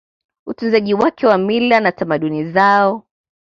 utunzaji wake wa mila na tamaduni zao